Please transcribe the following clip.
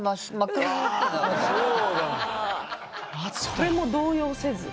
それも動揺せず？